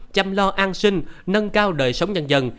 chăm lo an sinh nâng cao đời sống nhân dân